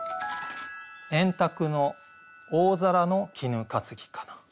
「円卓の大皿の衣被かな」。